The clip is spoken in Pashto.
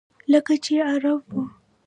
لکه چې عرب و.